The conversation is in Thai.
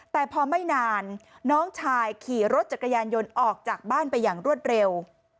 แต่พอไม่นานน้องชายขี่รถจักรยานยนต์ออกจากบ้านไปอย่างรวดเร็ว